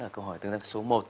ở câu hỏi tương tác số một